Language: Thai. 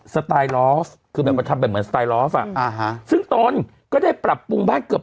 สไตล์คือแบบว่าทำแบบเหมือนอ่าฮะซึ่งตอนก็ได้ปรับปรุงบ้านเกือบ